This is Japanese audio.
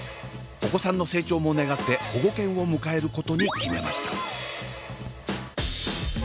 お子さんの成長も願って保護犬を迎えることに決めました。